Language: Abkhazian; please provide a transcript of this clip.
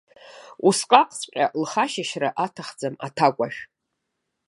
Усҟакҵәҟьа лхы ашьышьра аҭахӡам аҭакәажә.